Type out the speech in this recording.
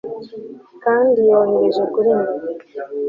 kandi yohereje kuri njye